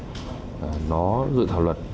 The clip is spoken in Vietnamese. đó là một dự thảo luật